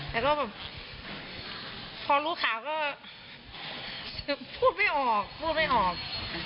แล้วก็พอรู้ข่าก็พูดไม่ออกพูดไม่ออก